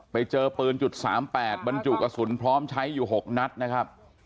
ไปเจอปืน๓๘บรรจุกระสุนพร้อมใช้อยู่๖นัดนะครับ